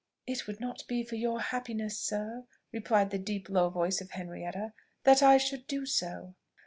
"It would not be for your happiness, sir," replied the deep low voice of Henrietta, "that I should do so."